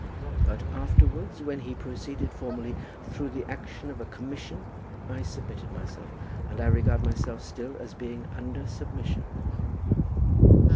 But afterwards, when he proceeded formally, through the action of a commission, I submitted myself. And I regard myself still as being under submission."